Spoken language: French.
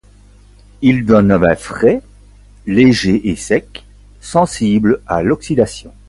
Il donne un vin frais, léger et sec, sensible à l'oxydation.